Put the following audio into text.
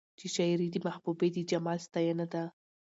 چې شاعري د محبوبې د جمال ستاينه ده